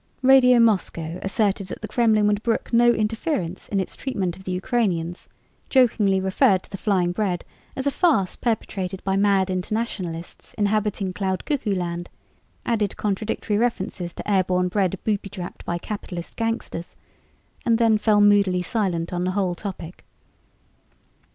Radio Moscow asserted that the Kremlin would brook no interference in its treatment of the Ukrainians, jokingly referred to the flying bread as a farce perpetrated by mad internationalists inhabiting Cloud Cuckoo Land, added contradictory references to airborne bread booby trapped by Capitalist gangsters, and then fell moodily silent on the whole topic.